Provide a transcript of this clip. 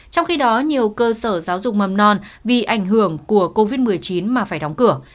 trong khi đó nhiều cơ sở giáo dục mầm non vì ảnh hưởng của covid một mươi chín mà phải đóng cửa